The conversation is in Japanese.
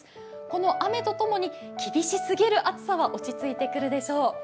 この雨ととともに厳しすぎる暑さは落ち着いてくるでしょう。